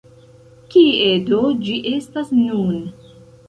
Kie do ĝi estas nun?